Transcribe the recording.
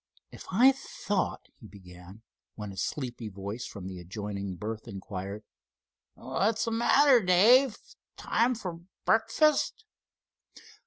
"If I thought——" he began, when a sleepy voice from the adjoining berth inquired: "Whatsmatter, Dave? Time f'r brkfust?"